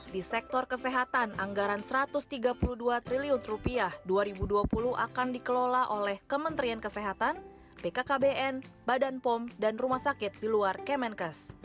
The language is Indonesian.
di sektor kesehatan anggaran rp satu ratus tiga puluh dua triliun dua ribu dua puluh akan dikelola oleh kementerian kesehatan bkkbn badan pom dan rumah sakit di luar kemenkes